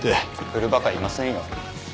振るバカいませんよ。